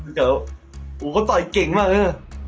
โอ้เขาต่อยเก่งมากเลยนะ